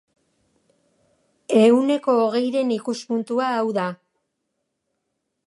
Ehuneko hogeiren ikuspuntua hau da.